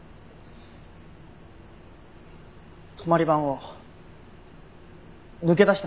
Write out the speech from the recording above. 泊まり番を抜け出してました。